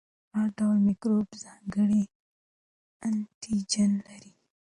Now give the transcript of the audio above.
هر ډول میکروب ځانګړی انټيجن لري.